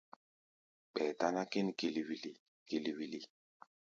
Ɓɛɛ táná kín kili-wili kili-wili.